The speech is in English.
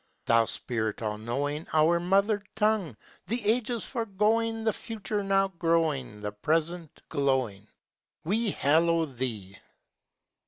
Thou spirit all knowing, Our mother tongue, The ages foregoing, The future now growing, The present glowing, We hallow thee!